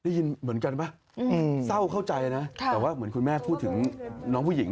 นี่ยินเหมือนกันค่ะส้าวเข้าใจนะแต่คุณแม่พูดถึงน้องผู้หญิง